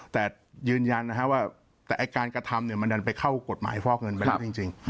แต่ยืนยันนะฮะว่าแต่การกระทำมันดันไปเข้ากฎหมายฟอกเงินไปแล้วจริง